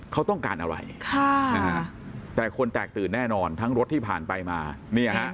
เขาต้องการอะไรค่ะนะฮะแต่คนแตกตื่นแน่นอนทั้งรถที่ผ่านไปมาเนี่ยฮะ